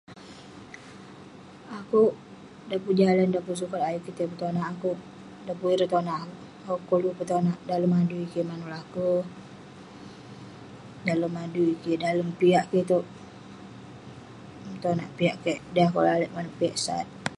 Akouk..dan pun jalan, dan pun sukat ayuk kik tai petonak akouk, dan pun ireh tonak akouk, akouk koluk petonak dalem adui kik manouk laker, dalem adui kik, dalem piak kik itouk..tonak piak kik m'dey akouk lalek manouk piak sat..